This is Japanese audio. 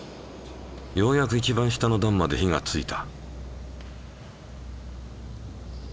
ようやくいちばん下の段まで火がついた。